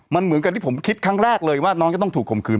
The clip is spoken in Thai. มันเหมือนกับที่ผมคิดครั้งแรกเลยว่าน้องจะต้องถูกข่มขืน